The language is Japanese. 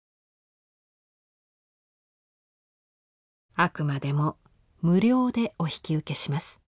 「あくまでも無料でお引き受けします。